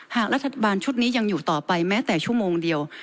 หากรัฐบาลชุดนี้ยังอยู่ต่อไปแม้แต่ชั่วโมงเดียว